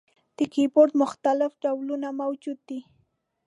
د کیبورډ مختلف ډولونه موجود دي.